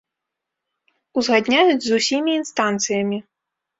Узгадняюць з усімі інстанцыямі.